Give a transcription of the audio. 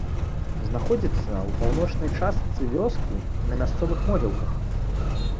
Знаходзіцца ў паўночнай частцы вёскі на мясцовых могілках.